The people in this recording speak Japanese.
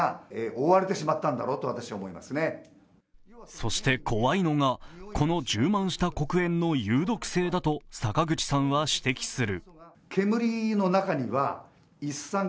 そして怖いのがこの充満した黒煙の有毒性だと坂口さんは指摘する。